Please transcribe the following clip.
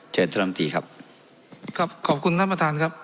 เชิญท่านลำตีครับครับขอบคุณท่านประธานครับ